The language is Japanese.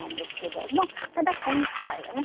ただ今回はね